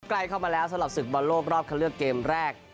ใกล้เข้ามาแล้วสำหรับศึกบอลโลกรอบเข้าเลือกเกมแรก